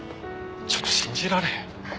ちょっと信じられへん。